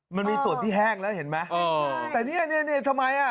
มันมีส่วนที่แห้งแล้วเห็นไหมเอ่อใช่แต่เที้ยนหนึ่งนี่นี่นี่ทำไมอ่ะ